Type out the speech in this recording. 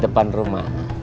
maaf p enemy terlambat ya